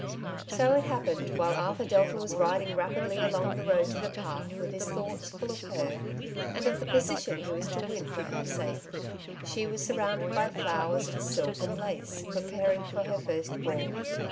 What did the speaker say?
So it happened, while Arthur Delta was riding rapidly along the road to the Park, with his thoughts full of her, and of the position he was to win for her sake, she was surrounded by flowers and silk, and lace, preparing for her first ball.